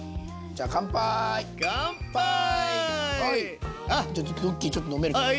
じゃあドッキーちょっと飲めるかな？